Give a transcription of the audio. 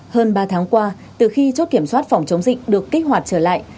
hơn ba tháng qua từ khi chốt kiểm soát phòng chống dịch được kích hoạt trở lại